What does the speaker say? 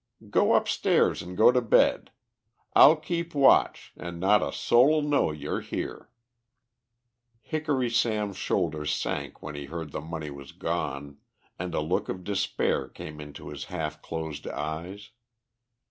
Go upstairs and go to bed. I'll keep watch, and not a soul'll know you're here." Hickory Sam's shoulders sank when he heard the money was gone, and a look of despair came into his half closed eyes.